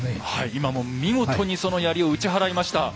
今もう見事にその槍を打ち払いました。